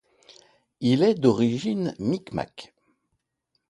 Il est d'origine Micmac.